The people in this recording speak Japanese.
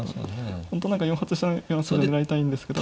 本当は４八飛車のような筋を狙いたいんですけど。